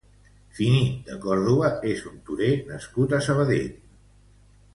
Finito de Córdoba és un torero nascut a Sabadell.